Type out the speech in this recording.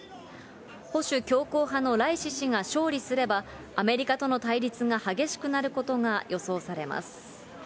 保守強硬派のライシ師が勝利すれば、アメリカとの対立が激しくなることが予想されます。